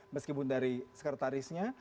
meskipun dari sekretarisnya